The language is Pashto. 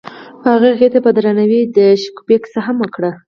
هغه هغې ته په درناوي د شګوفه کیسه هم وکړه.